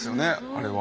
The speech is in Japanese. あれは。